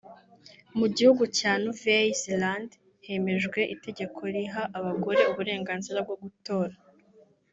Mu gihugu cya Nouvelle Zeland hemejwe itegeko riha abagore uburenganzira bwo gutora